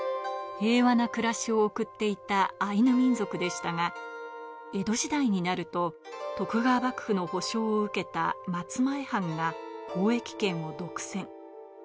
平和な暮らしを送っていたアイヌ民族でしたが江戸時代になると徳川幕府の保証を受けた松前藩が交易権を独占。